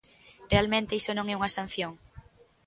¿Realmente iso non é unha sanción?